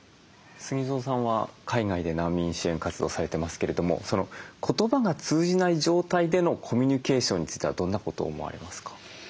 ＳＵＧＩＺＯさんは海外で難民支援活動されてますけれども言葉が通じない状態でのコミュニケーションについてはどんなこと思われますか？